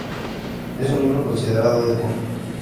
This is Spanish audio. Es un libro considerado de culto.